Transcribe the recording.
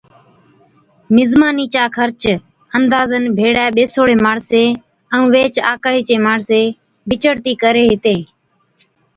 مزمانِي چا خرچ اندازن ڀيڙَي ٻيسوڙين ماڻسين ائُون ويھِچ آڪھِي چين ماڻسين بچڙتِي ڪرين ھِتين